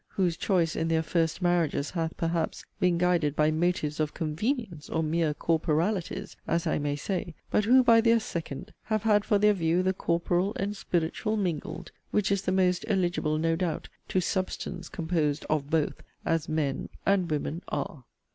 whose choice, in their 'first marriages' hath (perhaps) been guided by 'motives of convenience,' or 'mere corporalities,' as I may say; but who by their 'second' have had for their view the 'corporal' and 'spiritual' mingled; which is the most eligible (no doubt) to 'substance' composed 'of both,' as 'men' and 'women' are.